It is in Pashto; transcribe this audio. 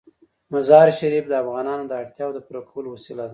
مزارشریف د افغانانو د اړتیاوو د پوره کولو وسیله ده.